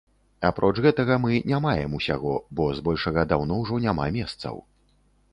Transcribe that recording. Апроч гэтага, мы не маем усяго, бо збольшага даўно ўжо няма месцаў.